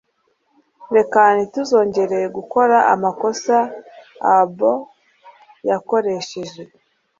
Reka ntituzongere gukora amakosa abaus yakoresheje